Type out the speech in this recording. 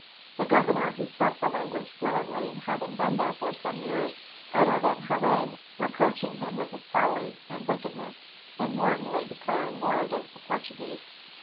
The governor, who spoke the language fluently, having been there for some years, uttered an harangue reproaching him with his folly, and wickedness, in wantonly declaring war against the Portuguese.